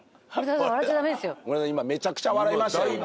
今めちゃくちゃ笑いましたよ